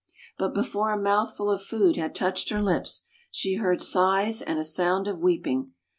But before a mouthful of food had touched her lips, she heard sighs and a sound of weeping.